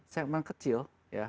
segmen kecil ya